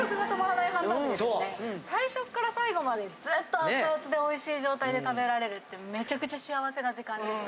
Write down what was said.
最初から最後までずっと熱々でおいしい状態で食べられるってめちゃくちゃ幸せな時間でした。